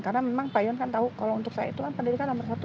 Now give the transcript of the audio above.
karena memang pak yon kan tahu kalau untuk saya itu kan pendidikan nomor satu